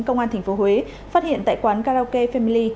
công an tp huế phát hiện tại quán karaoke family